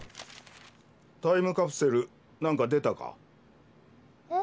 タイムカプセル何か出たか？